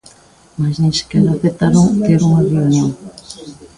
Mais nin sequera aceptaron ter unha reunión.